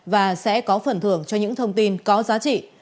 và sẽ có phần thưởng cho những thông tin có giá trị